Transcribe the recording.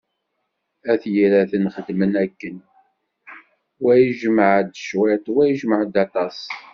At Yiraten xedmen akken, wa ijemɛ-d cwiṭ, wa ijemɛ-d aṭas.